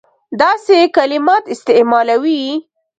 داسي کلمات استعمالوي.